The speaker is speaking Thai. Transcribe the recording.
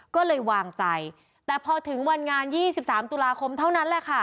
ก็เลยวางใจแต่พอถึงวันงาน๒๓ตุลาคมเท่านั้นแหละค่ะ